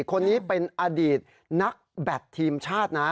คนนี้เป็นอดีตนักแบตทีมชาตินะ